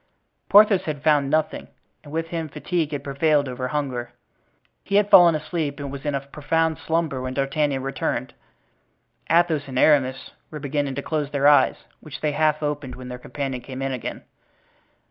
Porthos had found nothing, and with him fatigue had prevailed over hunger. He had fallen asleep and was in a profound slumber when D'Artagnan returned. Athos and Aramis were beginning to close their eyes, which they half opened when their companion came in again.